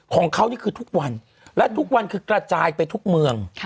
ของเขานี่คือทุกวันและทุกวันคือกระจายไปทุกเมือง